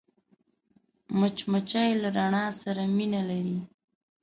مچمچۍ له رڼا سره مینه لري